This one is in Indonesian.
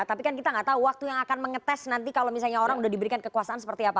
tapi kan kita nggak tahu waktu yang akan mengetes nanti kalau misalnya orang sudah diberikan kekuasaan seperti apa